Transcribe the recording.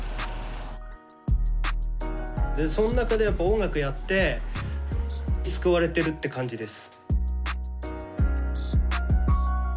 そんなかでやっぱ音楽やって救われてるって感じです。